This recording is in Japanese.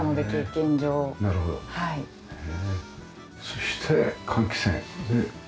そして換気扇。